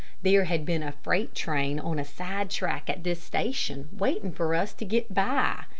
There had been a freight train on a side track at this station, waiting for us to get by.